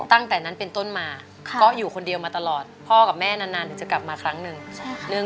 ตั้งแต่นั้นเป็นต้นมาก็อยู่คนเดียวมาตลอดพ่อกับแม่นานถึงจะกลับมาครั้งหนึ่ง